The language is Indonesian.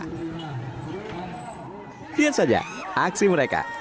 lihat saja aksi mereka